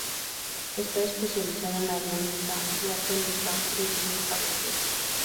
Está especializado en la armónica diatónica de diez agujeros.